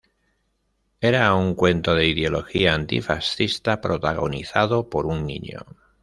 Era un cuento de ideología antifascista, protagonizado por un niño.